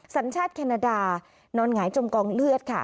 สัญชาติแคนาดานอนหงายจมกองเลือดค่ะ